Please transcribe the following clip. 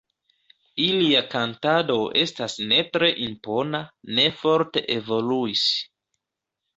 Ilia kantado estas ne tre impona, ne forte evoluis.